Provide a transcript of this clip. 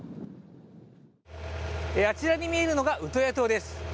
あちらに見えるのがウトヤ島です。